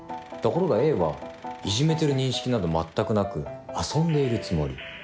ところがＡはいじめてる認識などまったくなく遊んでいるつもり。